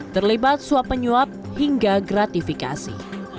terlibat suap penyuap hingga gratifikasi